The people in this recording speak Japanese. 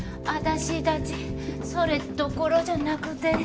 アタシたちそれどころじゃなくて。